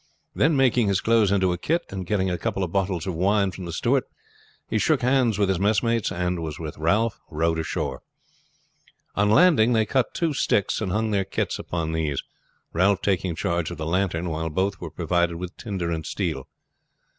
Then making his clothes into a kit and getting a couple of bottles of wine from the steward, he shook hands with his messmates, and was with Ralph rowed ashore. On landing they cut two sticks and hung their kits upon these, Ralph taking charge of the lantern, while both were provided with tinder and steel.